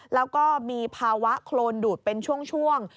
แล้วก็มีภาวะโครนดูดเป็นช่วง